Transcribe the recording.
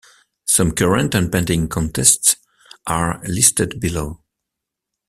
Some current and pending contests are listed below.